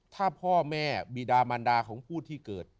ถ้าพ่อแม่บีดามันดาของผู้ที่เกิด